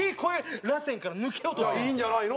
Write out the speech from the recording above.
いいんじゃないの？